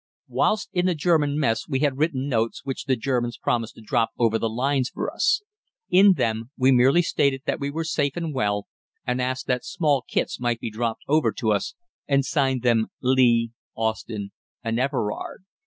Whilst in the German mess we had written notes which the Germans promised to drop over the lines for us. In them we merely stated that we were safe and well, and asked that small kits might be dropped over to us, and signed them Lee, Austin, and Everard.